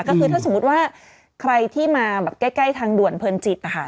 ก็คือถ้าสมมุติว่าใครที่มาแบบใกล้ทางด่วนเพลินจิตนะคะ